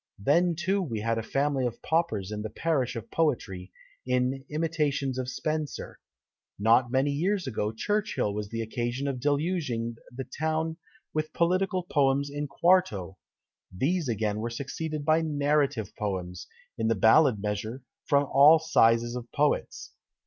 Then too we had a family of paupers in the parish of poetry, in "Imitations of Spenser." Not many years ago, Churchill was the occasion of deluging the town with political poems in quarto. These again were succeeded by narrative poems, in the ballad measure, from all sizes of poets.